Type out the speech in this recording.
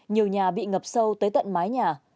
nhiều nhà bị ngập sâu tới tận mái nhà